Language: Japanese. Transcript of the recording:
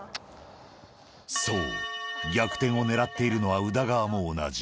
そう、逆転を狙っているのは宇田川も同じ。